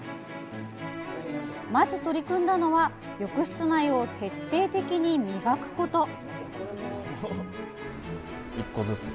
まず取り組んだのは浴室内を徹底的に磨くこと。